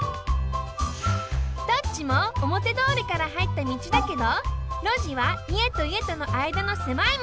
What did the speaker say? どっちもおもてどおりからはいった道だけど「路地」はいえといえとのあいだのせまい道。